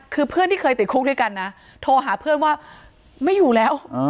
คือเพื่อนที่เคยติดคุกด้วยกันนะโทรหาเพื่อนว่าไม่อยู่แล้ว